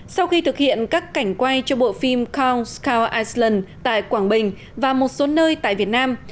sau khi thực hiện các cảnh quay cho bộ phim counts count iceland tại quảng bình và một số nơi tại việt nam